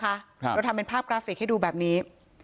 เราทำเป็นภาพกราฟิกให้ดูแบบนี้